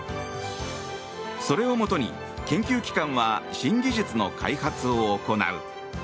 それをもとに研究機関は新技術の開発を行う。